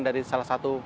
dari salah satu masalah